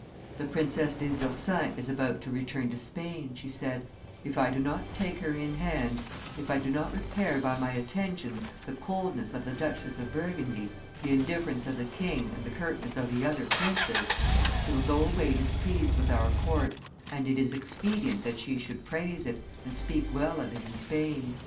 "The Princess des Ursins is about to return to Spain," she said; "if I do not take her in hand, if I do not repair by my attentions the coldness of the Duchess of Burgundy, the indifference of the king and the curtness of the other princes, she will go away displeased with our court, and it is expedient that she should praise it, and speak well of it in Spain."